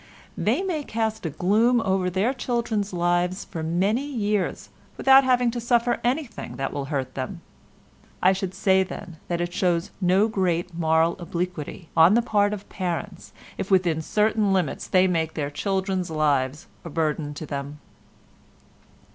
They may cast a gloom over their children's lives for many years without having to suffer anything that will hurt them. I should say, then, that it shows no great moral obliquity on the part of parents if within certain limits they make their children's lives a burden to them.